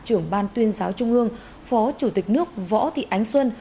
trưởng ban tuyên giáo trung ương phó chủ tịch nước võ thị ánh xuân